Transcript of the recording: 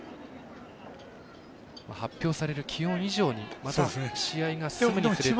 発表される気温以上にまた試合が進むにつれて。